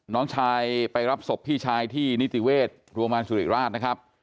น้องชายไปรับศพพี่ชายที่นิติเวชโรงพยาบาลสุริราชนะครับ